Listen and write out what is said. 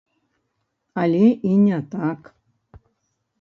Але і не так.